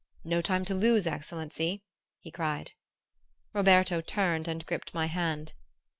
"No time to lose, excellency!" he cried. Roberto turned and gripped my hand.